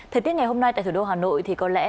thời tiết ngày hôm nay tại thủ đô hà nội thì có lẽ